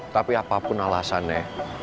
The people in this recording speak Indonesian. tapi apapun alasannya